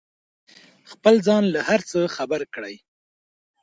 خپل ځان له هر څه خبر کړئ.